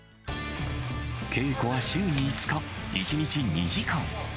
稽古は週に５日、１日２時間。